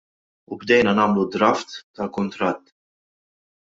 U bdejna nagħmlu draft tal-kuntratt.